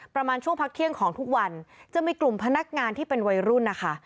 ประมาณช่วงพักเที่ยงของทุกวันจะมีกลุ่มพนักงานที่เป็นวัยรุ่นนะคะ